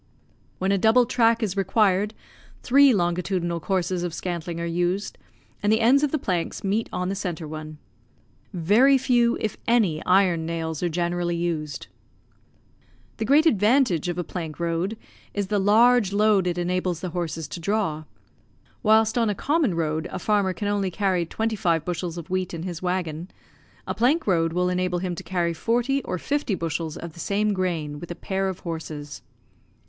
When a double track is required, three longitudinal courses of scantling are used, and the ends of the planks meet on the centre one. Very few, if any, iron nails are generally used. The great advantage of a plank road is the large load it enables the horses to draw. Whilst on a common road a farmer can only carry twenty five bushels of wheat in his waggon, a plank road will enable him to carry forty or fifty bushels of the same grain with a pair of horses.